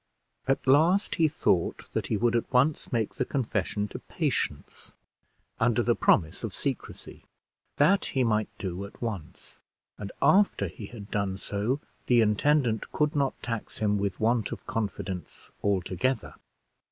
At last he thought that he would at once make the confession to Patience, under the promise of secrecy. That he might do at once; and, after he had done so, the intendant could not tax him with want of confidence altogether.